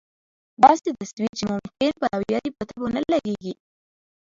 داسې تصویر چې ممکن پلویانو په طبع ونه لګېږي.